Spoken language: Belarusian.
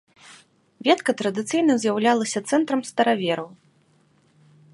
Ветка традыцыйна з'яўлялася цэнтрам старавераў.